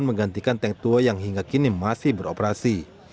dan menggantikan tank tua yang hingga kini masih beroperasi